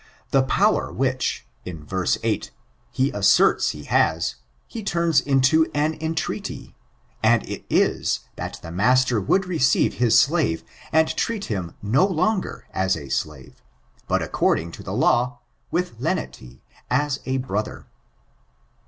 The power which, in verse 8, he asserts he has, he turns into an entreaty, and it is, that the master would receive his slave and treat him no longer as a slave, but according to the law, with lenity, as a brother.